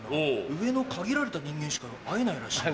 上の限られた人間しか会えないらしいんだよ。